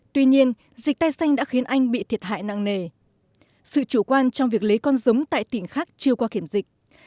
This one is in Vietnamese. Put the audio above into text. tuy nhiên dịch te xanh đã khiến anh bị thiệt hại nặng nề sự chủ quan trong việc lấy con giống tại tỉnh khác chưa qua kiểm dịch